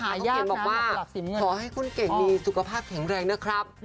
เขียนบอกว่าขอให้คุณเก่งมีสุขภาพแข็งแรงนะครับ